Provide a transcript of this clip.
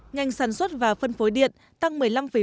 ngành sản xuất và phân phối điện tăng một mươi năm bốn